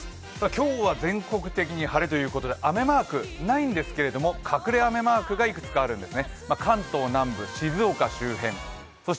今日は全国的に晴れということで雨マークはないんですけど隠れ雨マークがいくつかあります。